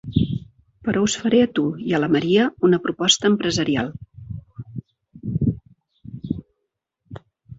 Però us faré a tu i a la Maria una proposta empresarial.